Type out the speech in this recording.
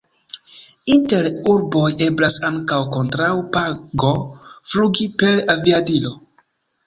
Inter urboj eblas ankaŭ kontraŭ pago flugi per aviadilo.